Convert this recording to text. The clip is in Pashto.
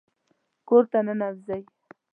کور ته ننوځئ